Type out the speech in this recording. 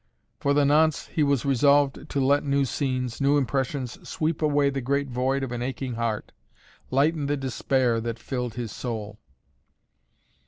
For the nonce he was resolved to let new scenes, new impressions sweep away the great void of an aching heart, lighten the despair that filled his soul.